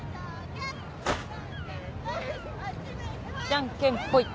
じゃんけんぽい。